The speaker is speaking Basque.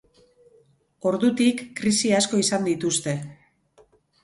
Ordutik, krisi asko izan dituzte.